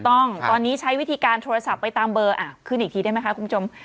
ต้องตอนนี้ใช้วิธีการโทรศัพท์ไปตามเบอร์ขึ้นอีกทีได้ไหมคะคุณผู้ชม